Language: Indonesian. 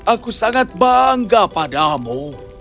aku sangat bangga padamu